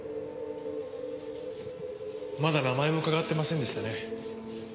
まだ名前も伺ってませんでしたね。